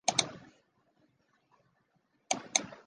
此祠收纳死于海难与战火的琉球人等外国籍遗骸。